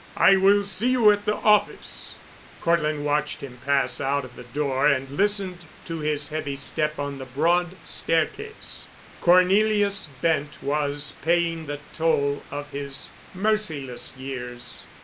I will see you at the office." Cortland watched him pass out of the door and listened to his heavy step on the broad staircase. Cornelius Bent was paying the toll of his merciless years.